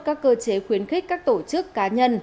các cơ chế khuyến khích các tổ chức cá nhân